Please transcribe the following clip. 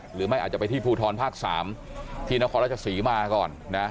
หรือไม่อาจจะไปที่ภูทรภาค๓ที่นครราชศรีมาก่อนนะ